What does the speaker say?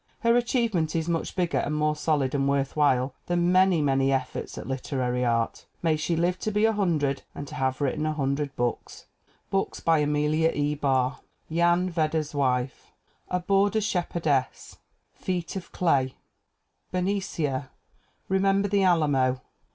Her achievement is much bigger and more solid and worth while than many, many efforts at lit erary "art." May she live to be a hundred and to have written a hundred books ! BOOKS BY AMELIA E. BARR Jan Vedder*s Wife. A Border Shepherdess. Feet of Clay. Bernicia. Remember the Alamo.